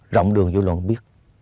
rộng đường dư luận biết